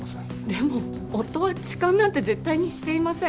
でも夫は痴漢なんて絶対にしていません